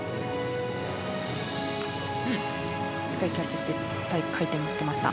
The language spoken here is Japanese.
しっかりキャッチして速く回転していました。